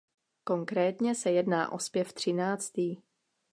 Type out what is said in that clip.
Konkrétně se jedná o zpěv třináctý.